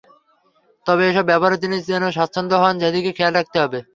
তবে এসব ব্যবহারে তিনি যেন স্বচ্ছন্দ হন, সেদিকে খেয়াল রাখতে হবে।